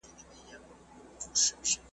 ړنګه بنګه یې لړۍ سوه د خیالونو .